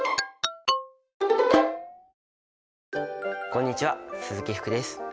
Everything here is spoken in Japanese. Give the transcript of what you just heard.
こんにちは鈴木福です。